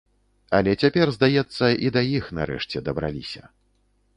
Але цяпер, здаецца, і да іх нарэшце дабраліся.